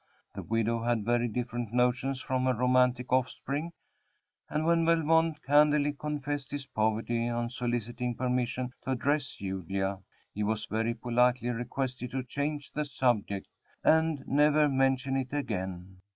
The widow had very different notions from her romantic offspring, and when Belmont candidly confessed his poverty on soliciting permission to address Julia, he was very politely requested to change the subject, and never mention it again.